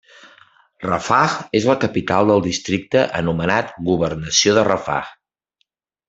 Rafah és la capital del districte anomenat Governació de Rafah.